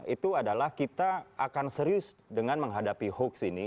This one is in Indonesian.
itu adalah kita akan serius dengan menghadapi hoax ini